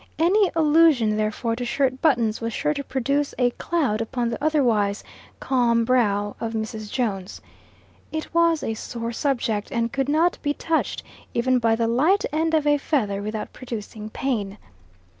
Any allusion, therefore, to shirt buttons, was sure to produce a cloud upon the otherwise calm brow of Mrs. Jones. It was a sore subject, and could not be touched even by the light end of a feather without producing pain.